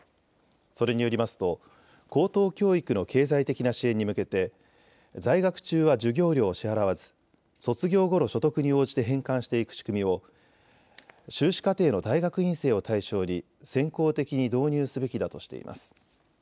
それによりますと高等教育の経済的な支援に向けて在学中は授業料を支払わず卒業後の所得に応じて返還していく仕組みを修士課程の大学院生を対象に先行的に導入すべきだとしています。